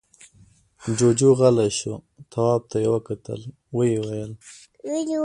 جُوجُو غلی شو. تواب ته يې وکتل، ويې ويل: